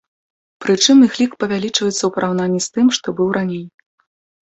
Прычым іх лік павялічыцца ў параўнанні з тым, што быў раней.